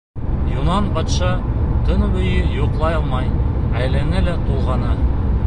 Юнан батша төнө буйы йоҡлай алмай, әйләнә лә тулғана.